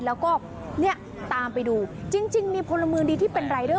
แล้วก็เนี่ยตามไปดูจริงจริงมีผลมือดีที่เป็นรายเด้อ